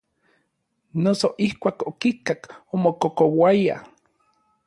Noso ijkuak okikak omokokouaya.